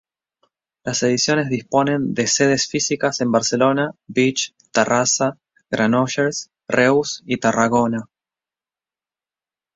Las ediciones disponen de sedes físicas en Barcelona, Vich, Tarrasa, Granollers, Reus y Tarragona.